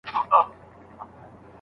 نه له ویري سوای له غاره راوتلای